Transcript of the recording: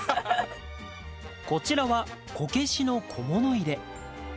こちらは、こけしの小物入れ。